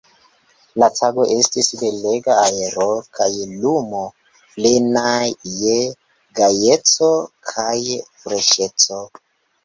La tago estis belega, aero kaj lumo plenaj je gajeco kaj freŝeco.